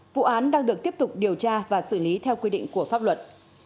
vụ án đang được tiếp tục điều tra và xử lý theo quy định của pháp luật